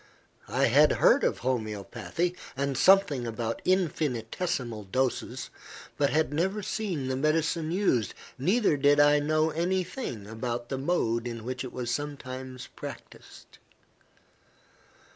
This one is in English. I had heard of homoeopathy, and something about infinitesimal doses, but had never seen the medicine used, neither did I know any thing about the mode in which it was sometimes practised.